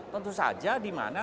tentu saja di mana